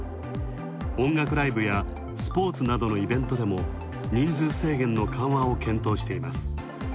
音楽ライブやスポーツなどのイベントでも人数制限の緩和を検討しています。